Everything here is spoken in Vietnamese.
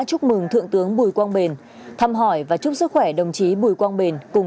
chúc mừng thượng tướng bùi quang bền thăm hỏi và chúc sức khỏe đồng chí bùi quang bền cùng